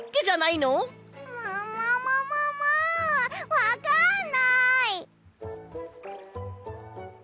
わかんない！